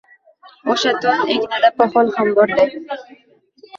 O’sha to’n egnida poxol ham borday